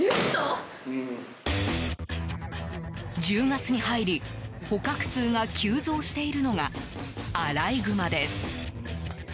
１０月に入り捕獲数が急増しているのがアライグマです。